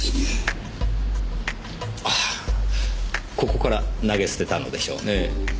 ここから投げ捨てたのでしょうねぇ。